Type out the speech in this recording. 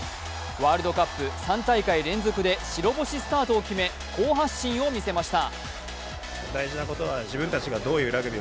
ワールドカップ３大会連続で白星スタートを決め好発進をみせました。